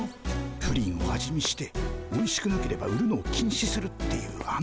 プリンを味見しておいしくなければ売るのを禁止するっていうあの。